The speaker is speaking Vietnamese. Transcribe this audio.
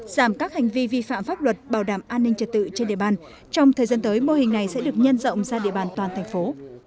giảm các hành vi vi phạm pháp luật bảo đảm an ninh trật tự trên địa bàn trong thời gian tới mô hình này sẽ được nhân rộng ra địa bàn toàn thành phố